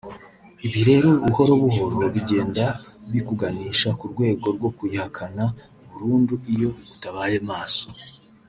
ibi rero buhoro buhoro bigenda bikuganisha ku rwego rwo kuyihakana burundu iyo utabaye maso